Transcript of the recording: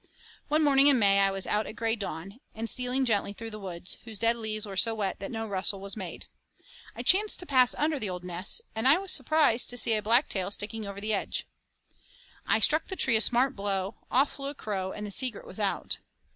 One morning in May I was out at gray dawn, and stealing gently through the woods, whose dead leaves were so wet that no rustle was made. I chanced to pass under the old nest, and was surprised to see a black tail sticking over the edge. I struck the tree a smart blow, off flew a crow, and the secret was out.